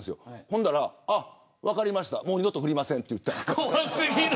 そしたら、あ、分かりましたもう二度と振りませんと言って。